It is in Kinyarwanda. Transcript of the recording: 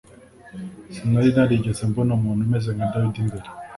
Sinari narigeze mbona umuntu umeze nka David mbere